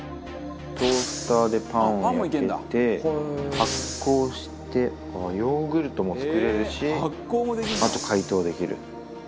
トースターでパンを焼けて醗酵してこのヨーグルトも作れるしあと解凍できる。